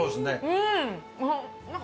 うん！